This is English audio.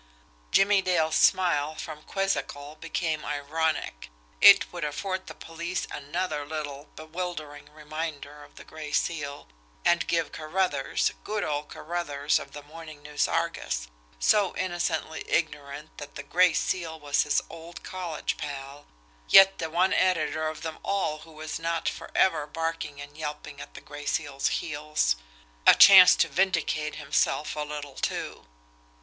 Jimmie Dale's smile from quizzical became ironic. It would afford the police another little, bewildering reminder of the Gray Seal, and give Carruthers, good old Carruthers of the MORNING NEWS ARGUS, so innocently ignorant that the Gray Seal was his old college pal, yet the one editor of them all who was not forever barking and yelping at the Gray Seal's heels, a chance to vindicate himself a little, too!